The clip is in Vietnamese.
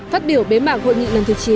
phát biểu bế mạng hội nghị lần thứ chín